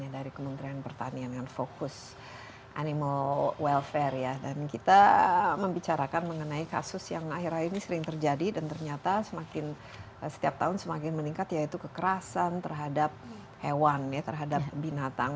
dan kita membicarakan mengenai kasus yang akhir akhir ini sering terjadi dan ternyata semakin setiap tahun semakin meningkat yaitu kekerasan terhadap hewan ya terhadap binatang